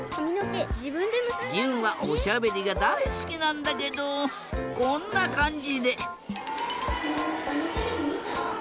じゅんはおしゃべりがだいすきなんだけどこんなかんじで。